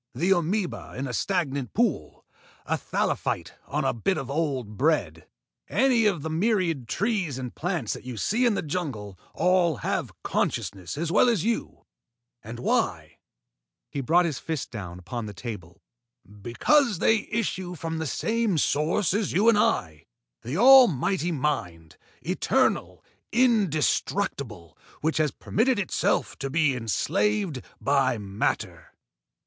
The amoeba in a stagnant pool, a thallophyte on a bit of old bread, any of the myriads of trees and plants that you see in the jungle all have consciousness as well as you. And why?" He brought his fist down upon the table. "Because they issue from the same source as you and I, the almighty mind, eternal, indestructible, which has permitted itself to be enslaved by matter.